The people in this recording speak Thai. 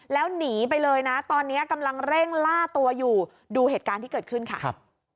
แล้วหนีไปเลยนะตอนนี้กำลังเร่งล่าตัวอยู่ดูเหตุการณ์ที่เกิดขึ้นค่ะครับ